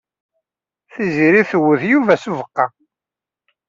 Tiziri twet Yuba s ubeqqa.